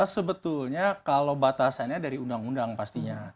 sebetulnya kalau batasannya dari undang undang pastinya